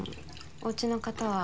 おうちの方は？